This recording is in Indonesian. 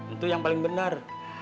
itu yang paling benar